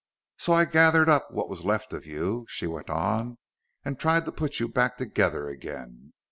"So I gathered up what was left of you," she went on, "and tried to put you back together again.